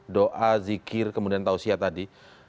doa zikir kemudian tausiah tadi